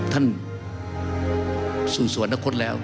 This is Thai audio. ท่านสู่สวรรคตแล้ว